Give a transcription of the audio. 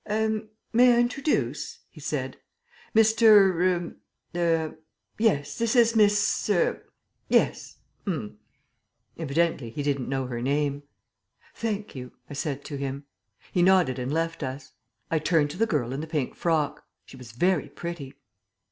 "Er may I introduce?" he said. "Mr. er er yes, this is Miss er yes. H'r'm." Evidently he didn't know her name. "Thank you," I said to him. He nodded and left us. I turned to the girl in the pink frock. She was very pretty.